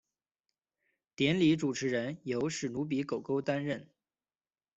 典礼主持人由史奴比狗狗担任。